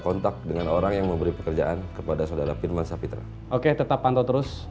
kontak dengan orang yang memberi pekerjaan kepada saudara firman sapitra oke tetap pantau terus